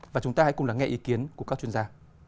và chúng ta hãy cùng lắng nghe ý kiến của các chuyên gia